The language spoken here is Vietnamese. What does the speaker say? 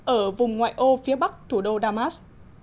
ở vùng ngoại ô phía bắc thủ đô damas